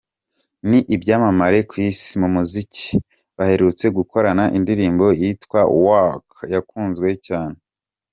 Ni ibyamamare ku Isi mu muziki, baherutse gukorana indirimbo yitwa ‘Work’ yakunzwe cyane.